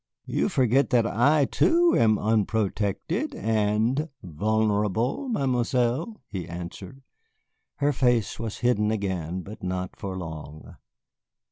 "You forget that I, too, am unprotected and vulnerable, Mademoiselle," he answered. Her face was hidden again, but not for long.